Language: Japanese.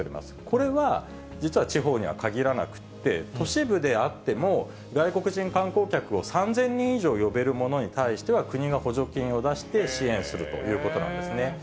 これは実は、地方には限らなくって、都市部であっても、外国人観光客を３０００人以上呼べるものに対しては、国が補助金を出して支援するということなんですね。